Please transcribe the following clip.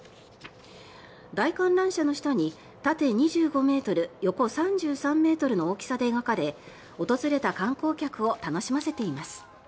大観覧車の下に縦２５ｍ横３３ｍの大きさで描かれ訪れた観光客を楽しませています。